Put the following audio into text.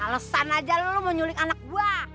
alasan aja lo mau nyulik anak gue